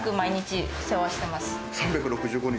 ３６５日？